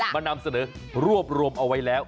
นำเสนอรวบรวมเอาไว้แล้ว